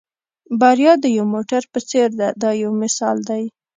بریا د یو موټر په څېر ده دا یو مثال دی.